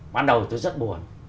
ban đầu tôi rất buồn